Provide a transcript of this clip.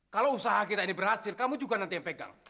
kalau usaha kita ini berhasil kamu juga nanti yang pegang